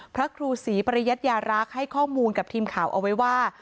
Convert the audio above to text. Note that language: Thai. พระครูศรีปริยัตยารักษ์ให้ข้อมูลกับทีมข่าวเอาไว้ว่า